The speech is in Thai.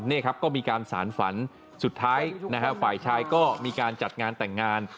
นี่ครับก็มีการสารฝันสุดท้ายนะฮะฝ่ายชายก็มีการจัดงานแต่งงาน